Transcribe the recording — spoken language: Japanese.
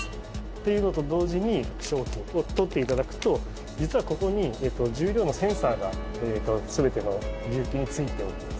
というのと同時に、商品を取っていただくと、実はここに重量のセンサーがすべてについてるんです。